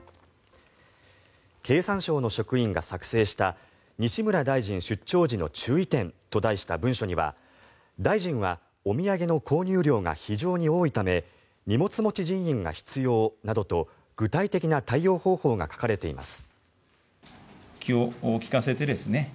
経産省の職員が作成した「西村大臣出張時の注意点」と題した文書には、大臣はお土産の購入量が非常に多いため荷物持ち人員が必要などと具体的な対応方法が書かれています。